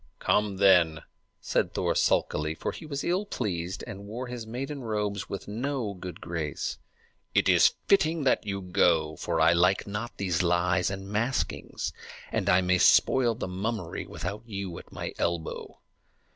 "Come, then," said Thor sulkily, for he was ill pleased, and wore his maiden robes with no good grace. "It is fitting that you go; for I like not these lies and maskings, and I may spoil the mummery without you at my elbow."